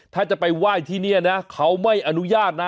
ถ้าจะไปไหว้ที่นี่นะเขาไม่อนุญาตนะ